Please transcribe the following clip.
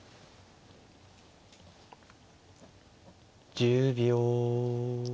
１０秒。